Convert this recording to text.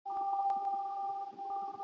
مګر رود بله چاره نه سي میندلای ..